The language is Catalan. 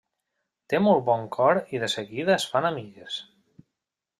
Té molt bon cor i de seguida es fan amigues.